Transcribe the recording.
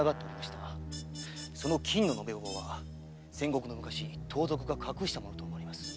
その金の延べ棒は戦国の昔盗賊が隠したものと思われます。